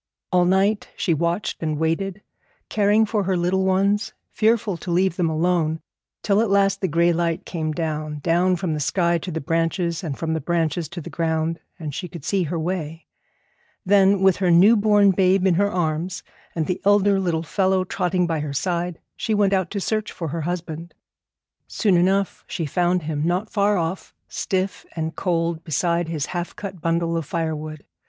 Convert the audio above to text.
All night she watched and waited, caring for her little ones, fearful to leave them alone, till at last the gray light came down, down from the sky to the branches, and from the branches to the ground, and she could see her way. Then, with her new born babe in her arms and the elder little fellow trotting by her side, she went out to search for her husband. Soon enough she found him, not far off, stiff and cold beside his half cut bundle of firewood.